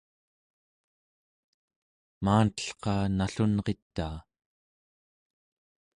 maantelqa nallunritaa